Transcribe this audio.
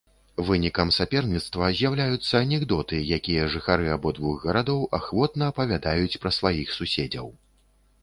Вынікам саперніцтва з'яўляюцца анекдоты, якія жыхары абодвух гарадоў ахвотна апавядаюць пра сваіх суседзяў.